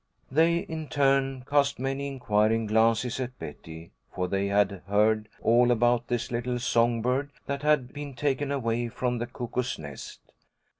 They in turn cast many inquiring glances at Betty, for they had heard all about this little song bird that had been taken away from the Cuckoo's Nest.